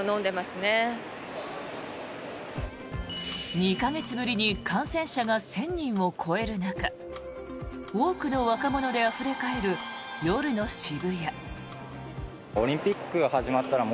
２か月ぶりに感染者が１０００人を超える中多くの若者であふれ返る夜の渋谷。